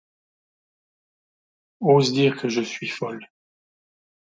Ose dire que je suis folle !